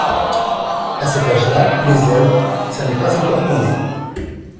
À cet âge-là, les ailes, ça n’est pas encore tombé.